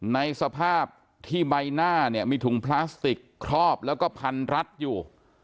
ในสภาพที่ใบหน้าเนี่ยมีถุงพลาสติกครอบแล้วก็พันรัดอยู่